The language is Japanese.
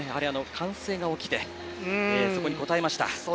歓声が起きてそこに応えました。